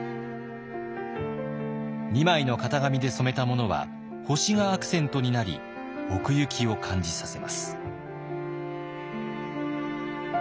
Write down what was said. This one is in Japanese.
２枚の型紙で染めたものは星がアクセントになり奥行きを感じさせます。